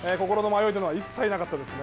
心の迷いというのは一切なかったですね。